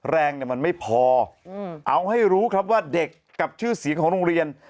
แรงมันไม่พอเอาให้รู้ครับว่าเด็กกับชื่อเสียงของโรงเรียน